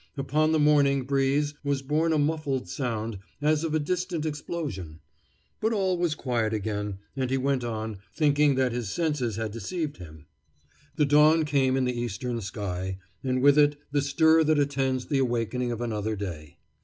Upon the morning breeze was borne a muffled sound, as of a distant explosion. But all was quiet again, and he went on, thinking that his senses had deceived him. The dawn came in the eastern sky, and with it the stir that attends the awakening of another day.